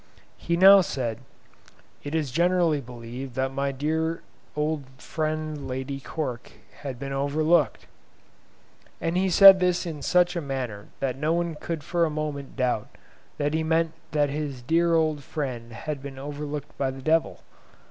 He now said "It is generally believed that my dear old friend Lady Cork has been overlooked," and he said this in such a manner that no one could for a moment doubt that he meant that his dear old friend had been overlooked by the devil.